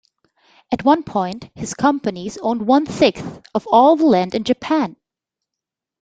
At one point, his companies owned one sixth of all the land in Japan.